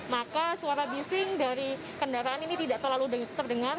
maka suara bising dari kendaraan ini tidak terlalu terdengar